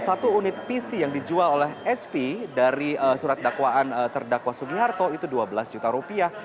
satu unit pc yang dijual oleh hp dari surat dakwaan terdakwa sugiharto itu dua belas juta rupiah